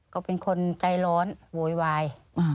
เขาเป็นคนใจร้อนบุ่ยวาย